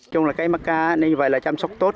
trong là cây macca nên vậy là chăm sóc tốt